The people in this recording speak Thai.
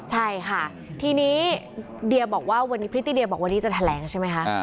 ใช่ค่ะทีนี้เดียบอกว่าวันนี้พริตติเดียบอกวันนี้จะแถลงใช่ไหมคะ